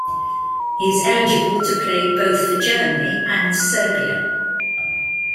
He is eligible to play both for Germany and Serbia.